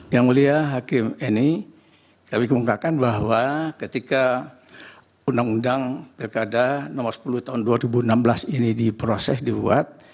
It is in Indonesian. yang mulia hakim ini kami kemungkakan bahwa ketika undang undang pilkada nomor sepuluh tahun dua ribu enam belas ini diproses dibuat